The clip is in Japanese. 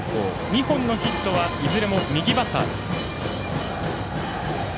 ２本のヒットはいずれも右バッターです。